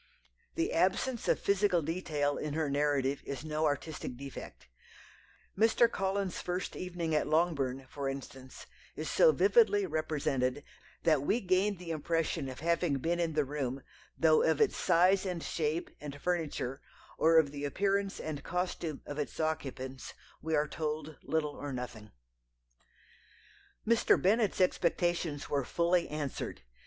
The absence of physical detail in her narrative is no artistic defect. Mr. Collins's first evening at Longbourn, for instance, is so vividly represented that we gain the impression of having been in the room, though of its size and shape, and furniture, or of the appearance and costume of its occupants, we are told little or nothing "Mr. Bennet's expectations were fully answered.